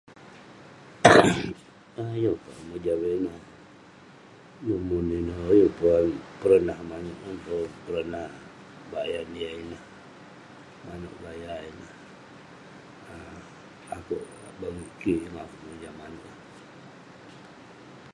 um yeng pun akouk mojam yah ineh, numon ineh, yeng pun peronah manouk, yeng pun peronah bayan yah ineh..manouk gaya ineh..akouk, bagik kik, yeng akouk mojam manouk ineh..